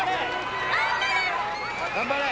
頑張れ！